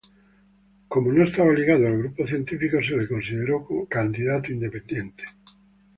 Como no estaba ligado al grupo científico se le consideró como candidato independiente.